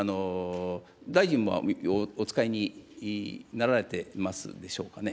大臣もお使いになられてますでしょうかね。